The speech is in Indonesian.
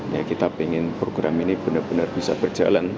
ya kita ingin program ini benar benar bisa berjalan